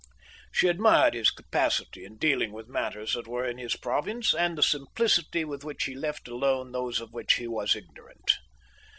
She admired his capacity in dealing with matters that were in his province, and the simplicity with which he left alone those of which he was ignorant.